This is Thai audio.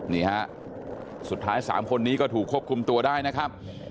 นี่ฮะสุดท้าย๓คนนี้ก็ถูกควบคุมตัวได้นะครับ